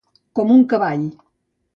Com un cavall.